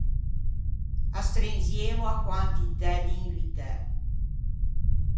Astrenziemo a quantitæ di invitæ.